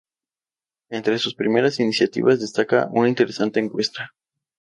Entre sus primeras iniciativas, destaca una interesante encuesta.